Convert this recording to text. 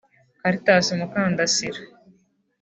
Cartas Mukandasira